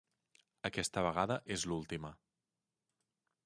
Aquesta vegada és l'última.